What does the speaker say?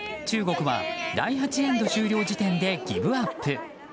中国は第８エンド終了時点でギブアップ。